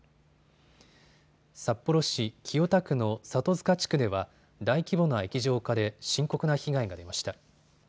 札幌市清田区の里塚地区では大規模な液状化で深刻な被害が出ました。